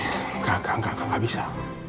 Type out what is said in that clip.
enggak enggak enggak enggak bisa